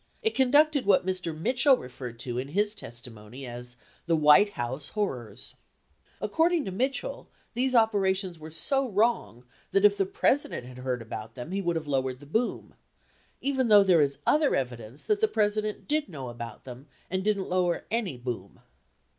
It conducted what Mr. Mitchell referred to in his testimony as the "White House horrors." 28 According to Mitchell, these operations were so wrong that if the President had heard about them he would have lowered the boom, even though there is other evidence that the President did know about them and didn't lower any boom.